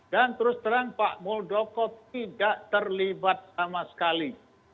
dan terus terang pak muldoko tidak terlibat sama sekali